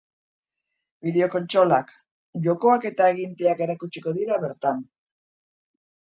Bideo-kontsolak, jokoak eta aginteak erakutsiko dira bertan.